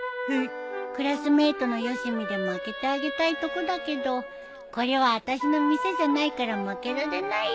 クラスメートのよしみでまけてあげたいとこだけどこれはあたしの店じゃないからまけられないよ。